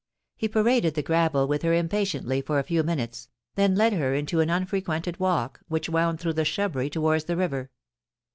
He paraded the gravel with her impatiently for a few minutes, then led her into an unfrequented walk which wound through the shrubbery towards the river.